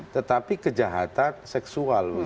tetapi kejahatan seksual